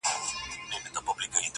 په قبرو کي د وطن په غم افګار یو!